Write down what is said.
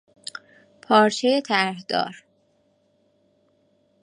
پارچهی طرح دار